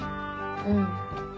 うん。